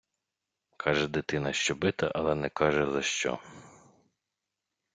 Каже дитина, що бита, але не каже, за що.